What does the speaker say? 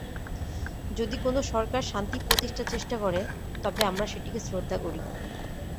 যদি কোনো সরকার শান্তি প্রতিষ্ঠার চেষ্টা করে, তবে আমরা সেটিকে শ্রদ্ধা করি।